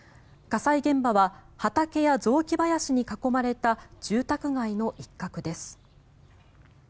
火災現場は畑や雑木林に囲まれた住宅街の一角です。